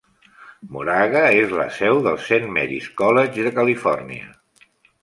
Moraga és la seu del Saint Mary's College de Califòrnia.